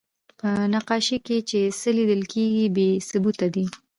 په نقاشۍ کې چې څه لیدل کېږي، بې ثبوته دي.